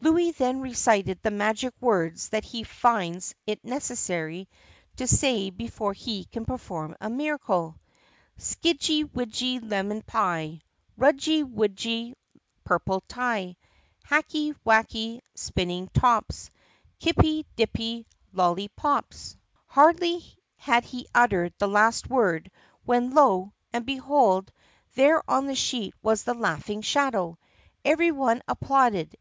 Louis then recited the magic words that he finds it necessary to say before he can perform a miracle : Skidgy widgy lemon pie Rudgy wudgy purple tie Hacky wacky spinning tops Kippy dippy lollypops! Naughty Doggie Dorothy in Prison THE PUSSYCAT PRINCESS 98 Hardly had he uttered the last word when lo! and behold! there on the sheet was the laughing shadow. Every one ap plauded.